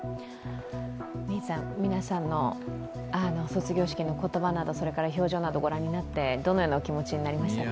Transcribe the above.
皆さんの卒業式の言葉表情などご覧になってどういうふうな気持ちになりましたか？